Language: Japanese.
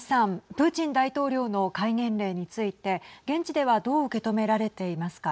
プーチン大統領の戒厳令について現地ではどう受け止められていますか。